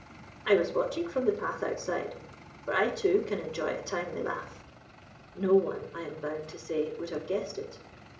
"I was watching from the path outside; for I too can enjoy a timely laugh." No one, I am bound to say, would have guessed it.